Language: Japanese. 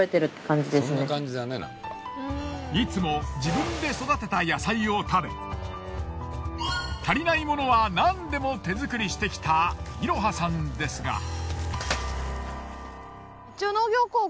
いつも自分で育てた野菜を食べ足りないものはなんでも手作りしてきたいろはさんですが。